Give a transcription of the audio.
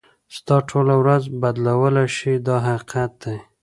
ستا ټوله ورځ بدلولای شي دا حقیقت دی.